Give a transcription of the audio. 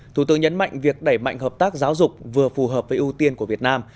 thủ tướng nhấn mạnh việc đẩy mạnh hợp tác giáo dục vừa phù hợp với ưu tiên của việt nam